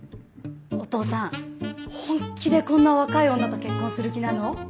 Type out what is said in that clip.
お父さん本気でこんな若い女と結婚する気なの？